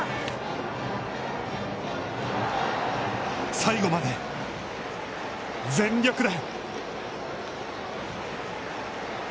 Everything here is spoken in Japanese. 最後まで全力で。